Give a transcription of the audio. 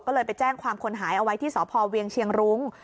ก็เลยไปแจ้งความคนหายเอาไว้ที่สพเวียงเชียงรุ้ง